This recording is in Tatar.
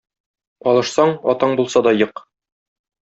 Алышсаң, атаң булса да ек.